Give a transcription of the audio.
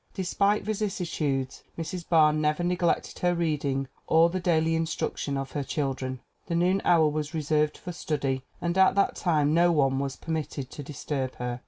Despite vicissitudes Mrs. Barr never neglected her reading or the daily instruction of her children. The noon hour was reserved for study and at that time no one was permitted to disturb her.